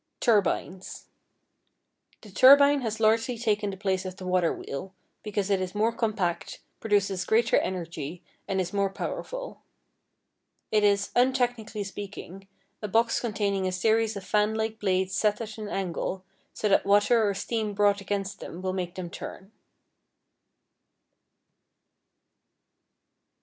=Turbines.= The turbine has largely taken the place of the water wheel, because it is more compact, produces greater energy, and is more powerful. It is, untechnically speaking, a box containing a series of fanlike blades set at an angle, so that water or steam brought against them will make them turn.